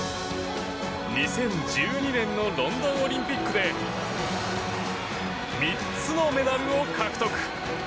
２０１２年のロンドンオリンピックで３つのメダルを獲得。